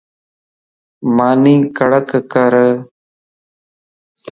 ماني ڪڙڪ ڪر